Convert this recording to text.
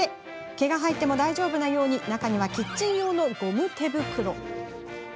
毛が入っても大丈夫なように中にはキッチン用のゴム手袋。